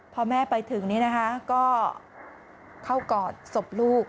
พอแม่ไปถึงก็เข้ากอดศพลูก